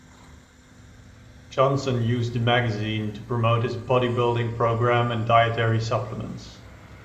Johnson used the magazine to promote his bodybuilding program and dietary supplements.